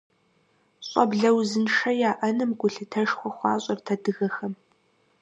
ЩӀэблэ узыншэ яӀэным гулъытэшхуэ хуащӀырт адыгэхэм.